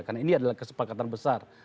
karena ini adalah kesepakatan besar